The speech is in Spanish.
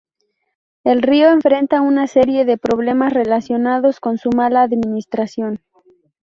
El río enfrenta una serie de problemas relacionados con su mala administración.